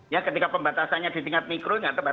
ya ketika pembatasannya di tingkat mikro nggak tepat